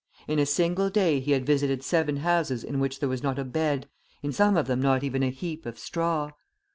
In a single day he had visited seven houses in which there was not a bed, in some of them not even a heap of straw.